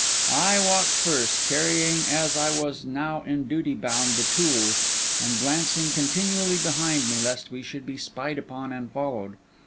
I walked first, carrying, as I was now in duty bound, the tools, and glancing continually behind me, lest we should be spied upon and followed.